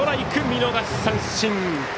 見逃し三振！